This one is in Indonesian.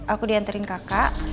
aku dianterin kakak